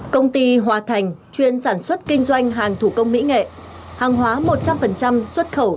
công ty hòa thành chuyên sản xuất kinh doanh hàng thủ công mỹ nghệ hàng hóa một trăm linh xuất khẩu